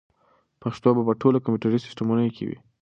پښتو به په ټولو کمپیوټري سیسټمونو کې وي.